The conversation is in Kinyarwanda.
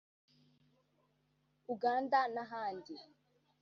Uganda n’ahandi